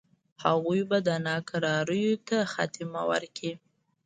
هغوی به ناکراریو ته خاتمه ورکړي.